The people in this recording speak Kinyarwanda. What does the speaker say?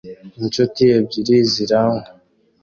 Inshuti ebyiri ziranywa